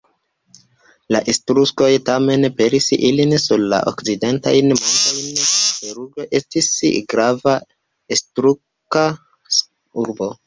La Etruskoj tamen pelis ilin sur la okcidentajn montojn; Peruĝo estis grava etruska urbo.